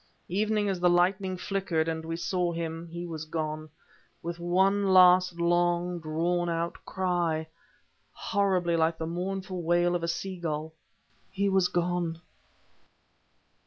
Even as the lightning flickered and we saw him, he was gone; with one last, long, drawn out cry, horribly like the mournful wail of a sea gull, he was gone!